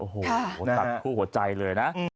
ตัดผู้หัวใจเลยนะ